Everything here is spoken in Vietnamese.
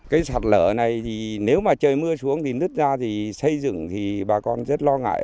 cái sạt lở này thì nếu mà trời mưa xuống thì nứt ra thì xây dựng thì bà con rất lo ngại